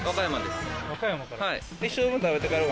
和歌山から。